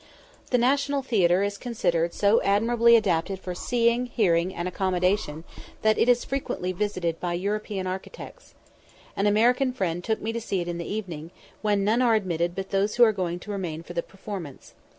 The National Theatre is considered so admirably adapted for seeing, hearing, and accommodation, that it is frequently visited by European architects. An American friend took me to see it in the evening, when none are admitted but those who are going to remain for the performance.